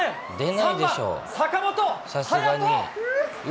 ３番坂本勇人。